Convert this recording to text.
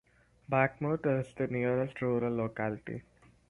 Bakhmut is the nearest rural locality.